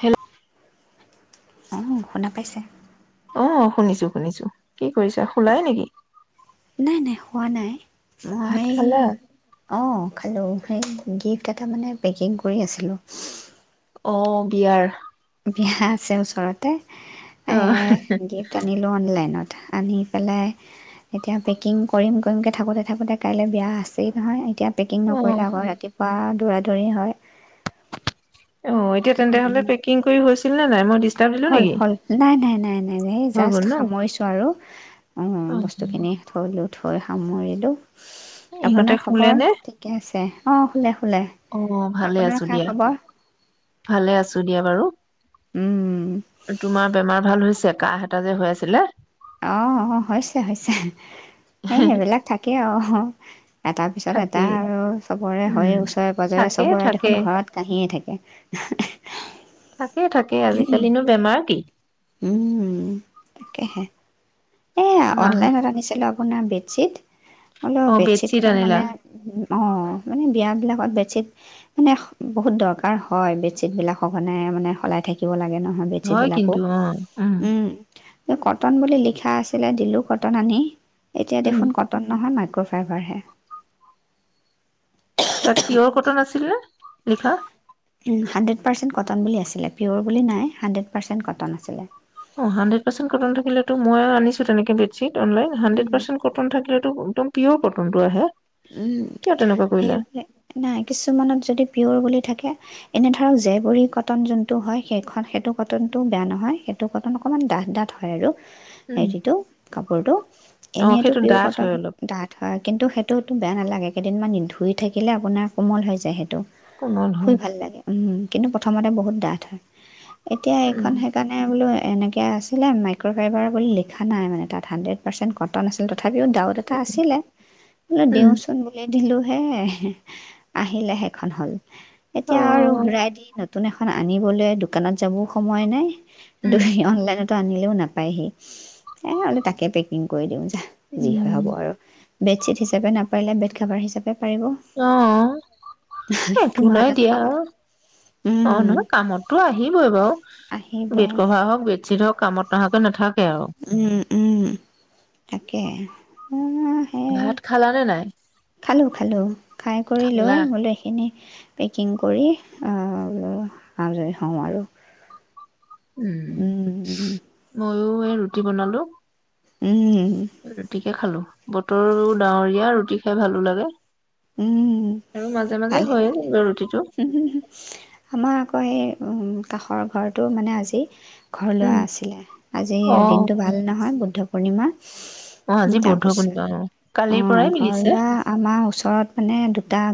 Hello অ শুনা পাইছে অ শুনিছো শুনিছো কি কৰিছা খোলাই নেকি নাই নাই হোৱা নাই ভাত মই খালা? অ খালো খ গিফ্ট এটা মানে পেকিং কৰি আছিলোঁ অ বিয়াৰ বিহা আছে ওচৰতে অ' এ গিফ্ট আনিলো অনলাইনত আনি পেলাই এতিয়া পেকিং কৰিম কৰিমকৈ থাকোঁতে থাকোঁতে কাইলৈ বিয়া আছেই নহয় এতিয়া পেকিং অ'। নকৰিলে আগৌ ৰাতিপুৱা ৰা দৰি হয় অ এতিয়া তেন্ত হলে পেকিং কৰি হৈছে হল হল নাই নাই নাই নাই হৈ জাষ্ট গ'ল ন? সামৰিছো আৰু অ বস্তুখিনি থ লো থৈ সামৰিলোঁ। ইহঁতে আপোনাৰ শুলে খবৰ নে? ঠিকে আছে অ খুলে খুলে অ' ভালে আপোনাৰ আছো খা দিয়া। খবৰ ভালে আছো দিয়া বাৰু। উম, তোমাৰ বেমাৰ ভাল হৈছে কাহ এত যে হৈ আছিলে অ অ হৈছে হৈছে এ সেইবিলাক থাকে আৰু এটাৰ পিছত এটা থাকেই আৰু চবৰে উম। হৈ ওচৰে পজৰে থাকে চবৰে থাকে দেখোন ঘৰত কাঁহিয়ে থাকে [inaudible] থাকেই থাকে আজিকালিনো বেমাৰ কি উম তাকেহে এয়া মাহ অনলাইনত আনিছিলো আপোন বেড্বিট হলেও অ' বেডশিট বেডশ্বীট খন আনিলা মানে অ মানে বিয়া বিলাকত বেডশ্বীট মানে বহুত দৰকাৰ হয় বেডশ্বীট বিলাক সঘনাই মানে সলাই থাকিব লাগে ন হয় কিন্তু অ' উম কটন বুলি লিখি লিখা আছিলে দিলোঁ কটন আনি এতিয়া উম। দেখোন কটন নহয় মাত কক' ফাইভাৰ হ তাক প্ৰিয় কটন আছিল ন লিখা হাড্ৰেড পাৰ্চেন কটন বুলি আছিলে পিয়ৰ বুলি নাই হাড্ৰেড পাৰ্চন্ট কটন আছিল অ হানড্ৰেড পাৰ্চেট কটন থাকিলেতটো মই আনিছো তেনেকে bedsheet online hundred um, percent cotton থিলেটো একদম প্ৰিয়ৰ কটনটো আহে উম কিয় তেনেকুৱা কৰিলে সেইব নাই কিছুমানত যদি পিয়ৰ বুলি থাকে এনে ধৰক জেবৰি কটন যোনটো হয় সেইখন সেইটো কটনটো বেয়া নহয় সেইটো কটন অকণমান ডাঠ ডাঠ হয় আৰু উম হেৰিটো কাপোৰতটো অ এনেটো সেইটো পিয়ৰ ডাঠ কটন হয় অলপ ডাঠ হয় কিন্তু সেই টোতো বেয়া নালাগে কেইদিনমান ধুই থাকিলে আপোনাৰ কোমল হৈ যায় সেইটো কোমল শুই হয় ভাল লাগে উম কিন্তু প্ৰথমতে বহুত ডাঠ হয় এতিয়া এইখন উম সেইকাৰণে আ বোলো এনেকৈ আছিলে মাইক্ৰ'ফাইবাৰ বুলি লিখা নাই মানে তাত হাণ্ড্ৰেড পাৰ্চেণ্ট কটন আছিল ত তথাপিও ডাউত এটা আছিলে উম দিওঁচোন ব বুলি দিলো হে আহিলে সেইখন হ'ল অ এতিয়া আৰু ঘূৰাই দি নতুন এ আনিবলৈ দোকানত যাবও সময় নাই দু উম অনলাইনত আনিলেও নাপায়হি এ তাকে পেকিং কৰি দিও যা যি হয় হ'ব উম আৰু বেডশ্বিট হিচাপ বেড কভাৰ হিচাপে পাৰিব অ একো তোমাৰ নাই এটাতো দিয়া কামত অ উম নহয় কামততটো আহিবই বাৰু আহিব বেড কভাৰ হওক বেডশ্বিট হওক কামত নহাকে নাথাক উম উম তাকে উম ভাত খালানে নাই? খালোঁ খালোঁ খাই কৰি খালা লৈ গোটেইখিনি পেকিং কৰি অ আজৰি হম আৰু। উম উম ময়ো ৰুটি বনালো। উম ৰুটি কে খালো। বতৰো ডাৱৰীয়া ৰুটি খাই ভালো লাগে। উম আৰু মাজে মাজে ভালেই হয়ে ভালে যায় ৰুটিটো। হ'ম আমাৰ এ সেই কাষৰ ঘৰটো মানে আজি ঘৰ উম, লোৱা আছিলে আজি অ, দিনটো ভাল নহল বুদ্ধ পূৰ্ণিমা। [unintelligible] ম অ, আজি দুটা বৌদ্ধ পূৰ্ণিমা অ, কালিৰ পৰাই মিলিছে।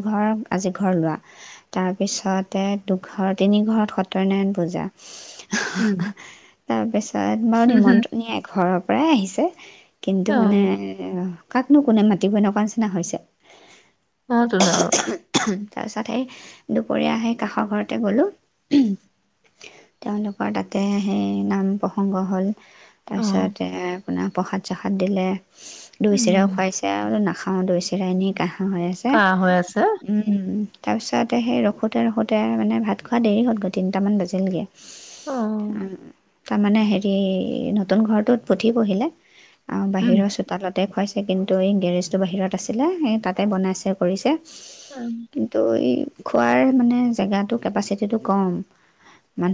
ঘৰ আজি ঘৰ লোৱা তাৰপিছতে দুঘৰ তিনিঘৰত সত্যনাৰায়ণ পূজা। উম, হাহাহা তাৰপিছত বাৰু হুম, হুম, নিমন্ত্ৰণিয় এঘৰত। প্ৰায় আহিছে। কিন্তু অ, মানে এএএএ কাকনো কোনে মাতিব এনেকুৱা নিচিনা হৈছে। অ তোন। তাৰপিছত সেই দুপৰীয়া আহেই কাষৰ ঘৰতে গ'লো তেওঁলোকৰ তাতে সেই নাম প্ৰসংগ হ'ল। অ, তাৰ পিছত এ আপোনাৰ প্ৰসাদ চসাদ দিলে। দৈ চিৰাও উম, খুৱাইছে আৰু নাখা খাওঁ দৈছিৰা এনেকা কাহঁ হৈ আছে হ'ম তাৰপিছতে সেই ৰখোতে ৰখোতে মানে ভাত খোৱা দেৰি হ'লগৈ তিনিটামান বাজিলগে। অ, [unintelligible] তাৰমানে হেৰি নতুন ঘৰটোত পুঠি পঢ়িলে। অ উম, বাহিৰৰ চোতালতে খুৱাইচে। কিন্তু এই গেৰেজটো বাহিৰত আছিলে সেই তাতে বনাইছে কৰিছে কিন্তু এই খোৱাৰ মানে জেগাটো কেপাচিটিটো কম।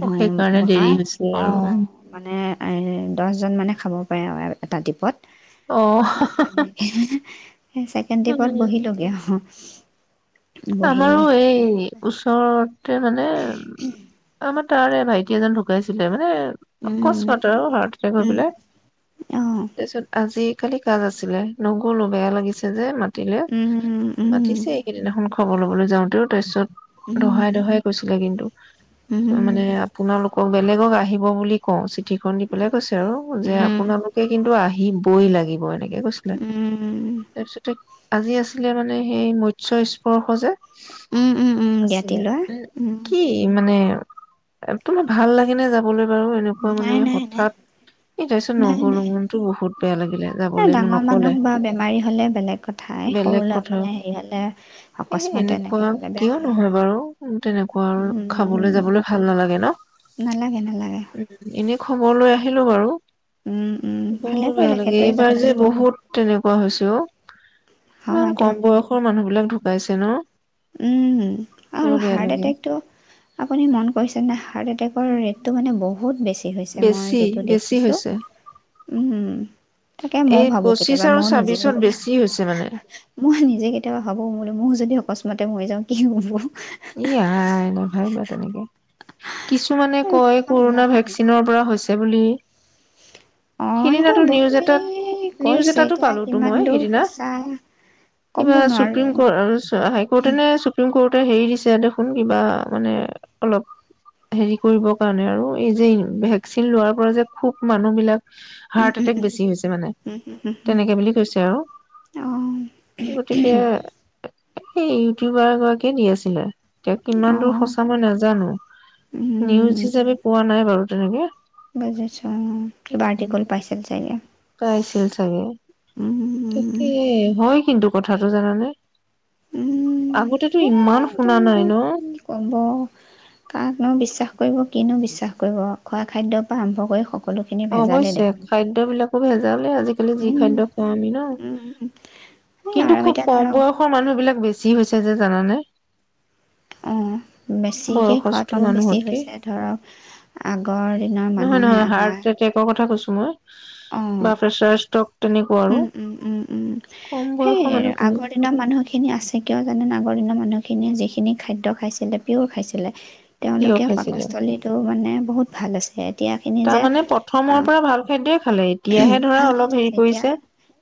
অ, সেইকাৰণে বহা দেৰি হৈছে অ আৰু উম, মানে দহজন মানে খাব পাৰে আৰু এটা টীপত। অ চছেকেণ্ডিপত বহিলগে আহ আমাৰো এই ওচৰত মানে উ আমাৰ তাৰে ভাইটি এজন ঢুকাইছিলে মানে উম অকস্মাতে আৰু ভাৰততে গৈ উম পেলাই অঁ তাৰপিছত আজি খালি কাজ আছিলে নগ'লো বেয়া লাগিছে যে মা পাতিলে উম উম মাতিছে এইকেইদিনা সোনকালে খব লব যাওঁতেও তাৰপিছত উম দহাই দহাই কৈছিলে কিন্তু উম উম মানে আপোনালোক বেলেগক আহিব বুলি কওঁ চিঠিখন দি পেলাই কৈছে আৰু যে উম আপোনালোকে কিন্তু আহি সি বই লাগিব সনেকে কৈছিলা তাৰপিছতে আজি আছিলে মানে সেই মৎস্ কৰৰ স যে উম উম উম জ্ঞাতি আছিলে ল'ৰা কি মানে তোমাৰ ভাল লাগি নে যাবলৈ? বাৰু এনেকুৱা মানে নাই নাই হঠা নাই এই তাৰপিছত নাই লগলো নাই বহুত বেয়া লাগিলে। এ যাবলৈ মোক ডাঙৰ নকলে মানুহ বা বেমাৰী হলে বেলেগ কথাই বেলেগ সৰু কথা মানে হেৰি হলে এ অকস্মাতে এনেকে এনেকুৱা হ'লে বেয়া কিয় লাগে নহয় বাৰু তেনেকুৱা আৰু খাবলৈ উম যাবলৈ ভাল নালাগে ন নালাগে নালাগে খবৰলৈ আহিলো বাৰু উম উম বৰ ভালে বেয়া কৰিলে লাগে সেইটোৱে এইবাৰ যে যথেষ্ট বহুত তেনেকা কোৱা হৈছে অ ইমান হয় কম দিয়ক বয়সৰ মানুহ বিলাক পাইছে ন উম বৰ আৰু বেয়া হাৰ্ট লাগে এটেকটো আপুনি মন কৈছে নে হাৰ্ট এটেকৰ ৰেটটো মানে বহুত বেছি। মই বেছি যিটো বেছি দেিছো হৈছে উ তাকে ময় এই ভাবো পঁচিশ কেতিয়াবা আৰু মই নিজেও ছাব্বিশত বেছি হৈছে মানে মই নিজে কেতিয়াবা ভাবো বুলি মোৰ যদি অকস্মাত কি মাতে মই যাওঁ কি হব ই আই! নেভাবিবা তেনেকে। কিছুমানে কয়, মানুহৰ কৰোণা ভৰষা নাই ভেকচিনৰ পৰা হৈছে। তে বুলি। অ সেইটো সিদিনাটো নিউজ বহুতেই এটাত, নিউজ কৈছে এটাটো এতিয়া পালোঁটো কিমান মই দূৰ সিদিনা। সঁচা ক'ব কিবা নোৱাৰো ছুপ্ৰিম ক-ৰ-চ-হা-হাই ক'ৰ্টে নে ছুপ্ৰিম ক'ৰ্ট তে হেৰি [unintelligible] এতিয়া দেখোন কিবা মানে অলপ, হেৰি কৰিবৰ কাৰণে আৰু এই যে, ভেকচিন লোৱাৰ পৰা যে খুব মানুহবিলাক উম হাৰ্ট উম এটেক বেছি হৈছে মানে উম তেনেকে বুলি কৈছে আৰু। উম অ গতিকে সেই ইউটিউবাৰ গৰাকীয়ে দি আছিলে এতিয়া অ কিমান দূৰ সঁচা মই নাজানো। নিউজ হিচাপে পোৱা নাই বাৰু। তেনেকে বুজিছোঁ আৰু। কিবা আৰটিক'ল পাইছিল চাগে। পাইছিল চাগে। উম তাকে, হয় কিন্তু কথাটো, জানানে? আগতেতো উম। এ, ইমান এতিয়া শুনা নাই আৰু ন কি ক'ব, কাকনো বিশ্বাস কৰিব? কিনো বিশ্বাস কৰিব, খোৱা খাদ্যৰ পৰা আৰম্ভ কৰি স অৱশ্যে! খাদ্যবিলাকো ভেঁজালেই আজিকালি যি উম খাদ্য খুৱাও আমি ন! উম কিন্তু আৰু খুব এতিয়া কম ধৰক বয়সৰ মানুহবিলাক বেছ যিছে যে জানানে? অ', বেছিকে বয়সস্থ খোৱাটো বেছি মানুহতকে হৈছে ধৰক আগৰ দিনৰ নহয় মানুহে নহয় হাৰ্ট আমাৰ এটেকৰ কথা কৈছো মই অ', বা প্ৰেচাৰ ষ্ট্ৰক তেনেকুৱা আৰু উম, উম, উম, উম, কম সেই বয়সৰ মানুহখিনি আগৰ দিনৰ মানুহখিনি আছে কিয় জানে আগৰ দিনানৰ মানুহিন খিনিয় যিখিনি খাদ্য খাইছিলে পিয়ৰ খাইছিলে। তিয়হ তেওঁলোকে খাইছিলে পাকস্থলীটো মানে বহুত ভাল আছিল এতিয়া খিনি যে তাৰমানে প্ৰথমৰ অ'। পৰা ভাল খাদ্যই খালে এতিয়াহে ধৰা ভালক অলপ হেৰি থাইছে এতিয়া কৰিছে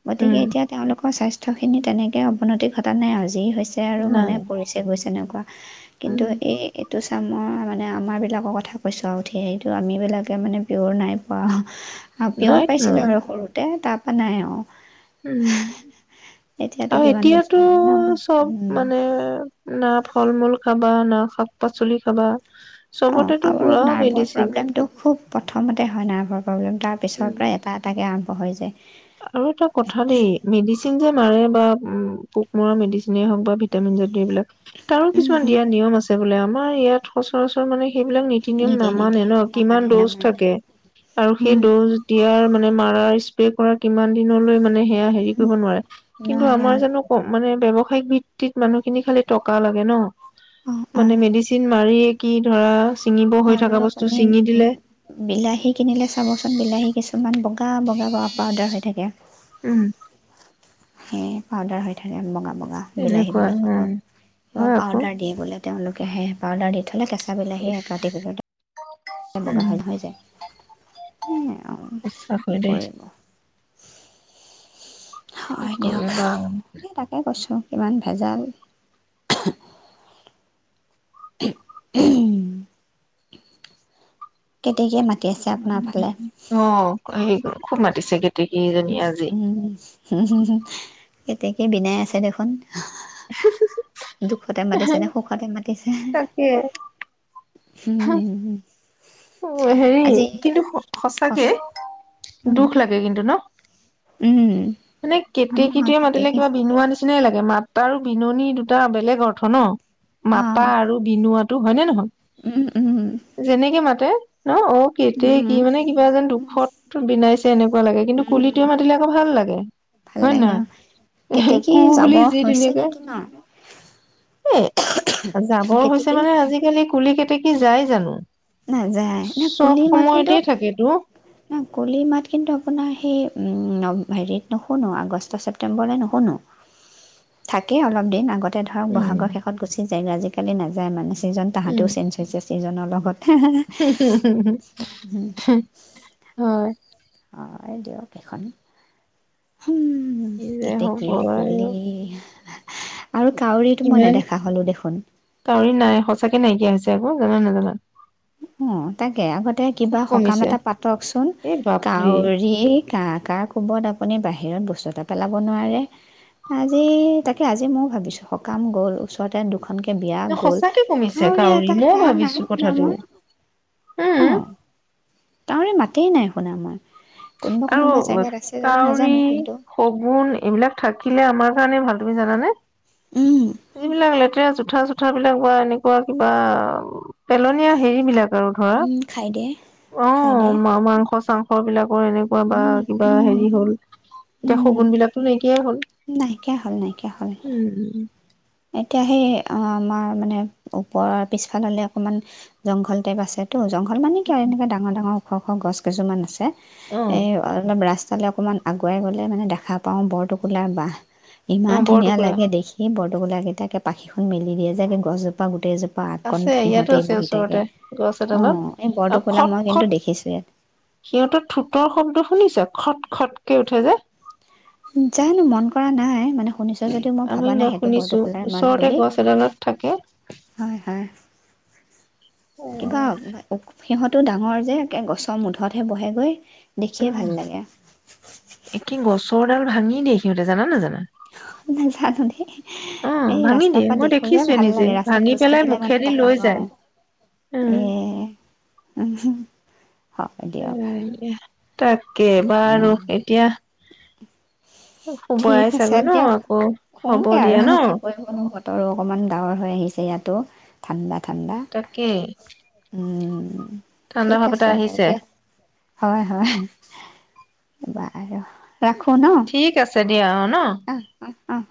গতিকে উম এতিয়া তেওঁলোকৰ স্বাস্থ্য খিনি তেনেকে অৱনতি ঘটা নাই আজি হৈ ছে আৰু মানে নাই পৰিছে গৈছে ন' কিন্তু উম এই এইটো চামৰ মানে আমাৰবিলাকৰ কথা কৈছোঁ আৰু উঠি সেইটো আমিবিলাকে মানে পিয়'ৰ নাই পোৱা। পিয়ৰ নাইতো ন পাইছিলোঁ আৰু সৰুতে তাত অনাই আও। উম, এতিয়াতো আৰু কিমান বছৰ এতিয়াতো হ'ল ন চব মানে নাভ ফল-মূল খাবা না শাক-পাচলি খাবা। অ', চবতেতো আৰু পুৰা নাৰ্ভৰ মেডিচিন প্ৰব্লেমটো খুব প্ৰথমতে হয় নাৰ্ভৰ প্ৰব্লেম তা ত পিছৰ উম পৰাই এটা এটাকে আ হৈ যায় আৰু এটা কথা দেই মেডিচিন যে, মাৰে বা উম, পোক মৰা মেডিচিনে হওঁক বা ভিটামিন যদি এইবিলাক তাৰো কিছুমান উম, দিয়া নিয়ম আছে বোলে আমাৰ ইয়াত সচৰাচৰ মানে সেইবিলাক নীতি নিয়ম নিদিয়ে নামানে নিদিয়ে ন ন? কিমান নামানে ড'জ নামানে থাকে আৰু সেই উম, ড'জ দিয়াৰ মান মানে মাৰা ইস্প্ৰে কৰা কিমান দিনলৈ মান মে হেয়া হেৰি কৰিব নোৱাৰে কিন্তু নোৱাৰে আমাৰ অঁ জানো ক মানে ব্যৱসায়িক ভিত্তিত মানুহখিনি খালি টকা লাগে ন? অঁ অঁ মানে মেডিচিন মাৰি কি ধৰা ছিঙিব হৈ আৰু থকা বস্তু আপুনি ছিঙি উ দিলে বিলাহী কিনিলে চাবচোন বিলাহী কিছুমান ব গা বগা ব পাউদাৰ হৈ থাকে। উম। [unintelligible] ‌ পাউদাৰ হৈ থাকে বগা বগা, বিলাহী তেনেকুৱা বিলাকতো উম কিবা হয় আকৌ পাউদাৰ দিয়ে বোলে। তেওঁলোকে সে পাউদাৰ দি থ'লে কেঁচ কেচা বিলাহী ইচ এক ৰাতিৰ ভিতৰত্ উম বগা হৈ হৈ যায়। এইয়া আৰু সঁচা কৈ কি দেই কৰিব? কি হয় দিয়ক কৰিবা এই তাকে কৈছোঁ। ইমান ভেজাল। উম। কেতেকীয়ে মা অ' আহি গ'ল। খুব মাতিছে উ কেতেকীজনী আজি উম উম উ। কেতেকীয়ে বিনায় আছে দেখোন। দুখতে মাতিছে নে সুখতে মাতিছে। তাকে হম। হেৰি কিন্তু কওক সঁচাকে উম দুখ লাগে কিন্তু ন? উম, মানে উম, হয় কেতেকীটোৱে মাতিলে কেতেকী কিবা বিনোৱা নিচিনাই লাগে। মাত্ৰা আৰু বিননি দুটা বেলেগ অৰ্থ ন। অ', মাতা আৰু বিনুৱা। তটো হয় নে নহয়? উম, উম। তে ন অ কেতিয় কি উম, মানে কিবা এ যেন দুখত বিনাইছে এনেকুৱা লাগে কিন্তু কুলিটোৱে মাতিলে আকৌ ভাল লাগে ভাল হয়ে লাগে নহয় অ', এ কেতেকী কো যাব বুলি যি হৈছে ধুনীয়াকে নেকি ন? এ জাবৰ হৈছে কেতেকী মানে আজিকালি কুলি কেতে কি যায় জানো? নাযায় ন চব কুলি মাত কিন্তু সময়তে থাকেতো ন কুলি মাত কিন্তু আপোনাৰ সেই হেৰিত নুশুনো আগষ্ট ছেপটেম্বৰলৈ নুশুনো থাকেই অলপ দিন আগত ধৰক উম বহাগৰ শেষত গুচি আজিকালি নাযায় মানে চিজন উম তাহাঁতেও চেঞ্ হৈ যায় [unintelligible] এইজনৰ লগত হয়। হয়, দিয়ক এখন কি যে হ'ব কেতেকী, আৰু কুলি আৰু কাউৰীটো মই ইমান নেদেখা হ'লো দেখোন কাউৰী নাই [unintelligible] হৈছে আকৌ জানা নাজানা? অ', তাকে আগতে খুব কিবা সকাম কমিছে এটা পাতকচোন এই বাপৰে কাউৰী কা কা কোবত আপুনি বাহিৰ বাহিৰত বস্তু এটা পেলাব নোৱাৰে আজি তাকে আজি ময়ো ভাবিছোঁ সকাম গ'ল ওচৰতে কে বিয়া গ'ল, সঁচাকে কমিছে কাউৰীৰ কাউৰী এটা মইও কা ভাবিছো নাই শুনা কথাটো মই উম অহ। [unintelligible] মাতেই নাই শুনা মই। কোনোবা আৰু কোনোবা জেগাত আছে যদি কাউৰী নাজানো কিন্তু শগুন এইবিলাক থাকিলে আমাৰ সিমানেই ভাল তুমি জানা নে উম যিবিলাক লেতেৰা জোঠা চা থাৰ বিলাক বা এনেকুৱা কিবা পেলনীয়া হেৰি বিলাক আৰু উম খাই দে ধৰা অ খাই দে মা মাংস চাং [unintelligible] এনেকুৱা বা উম কিবা উম হেৰি হ'ল। এতিয়া উম শগুন বিলাকো ন [unintelligible] হ'ল, নাইকিয়া হ'ল নাইকিয়া হ'ল উম। এতিয়া সেই আমাৰ মানে ওপৰৰ পিছফাল হলে অকমান জংঘল টাইপ আছে ত জংঘল মানে‌ কি‌‌ আৰু এনেকে ডাঙৰ, ডাঙৰ শ, শ গছ কেইযোৰমান আছে। অ এ অলপ ৰাস ফালে অকণমান আগুৱাই গ'লে মান দেখা পাওঁ বৰটোকোলাৰ বাঁহ। ইমান অ ধুনীয়া বৰটুকুৰা লাগে দেখি বৰ গোলােইকেইটা পাখিখন মেলি দিয়ে যে, একে গছজোপা গোটেইজো আছে ইয়াতো আছে ওচৰতে গছ এডালত অঁ এই আৰু বৰটোকোলা খট, মই কিন্তু খট দেখিছোঁ ইয়াত সিহঁতৰ ঠোঁটৰ শব্দ শুনিছা? খট, খটকে উঠে যে জানো মন কৰা নাই মানে শুনিছ যদিও মই আমি ভাবা নাই সেইটো শুনিছো বৰটোকোলাৰ মাত ওচৰতে বুলি গছ এডালত থাকে হয়, হয়। এ কিবা সিহঁতো ডাঙৰ যে একে গছৰ মুধতহে বহেগৈ উ, দেখিয়ে ভাল লাগে একে গছৰ ডাল ভাঙি কিন্তু সিহতে জানা নাজানা? নাজানো দে অ এ ভাঙি ৰাস্তাৰ দিয়ে পৰা মই দেখো যে দেখিছোৱে ভাল নিজে লাগে ভাঙি ৰাস্তাত পেলাই খোজকাাঢ়িলে মানে মুখেদি দেখা লৈ যায় পাওঁ উম এ উ স তাকে একো নাই বাৰু আৰু এতিয়া শুবাই ঠিক আছে চাগৈ ন? দিয়ক আকৌ হ'ব দিয়া ন? বৰো অকণমান ডাঙৰ হৈ আহিছে ইয়াতো ঠাণ্ডাত ঠাণ্ডা তাকেই উম উ ঠাণ্ডা ঠিক ভাৱ এটা আছে বাৰু আহিছে দিয়ক হয়, হয়। বা বা আৰু ৰাখো ন? দিয় শ। আহ আহ আহহ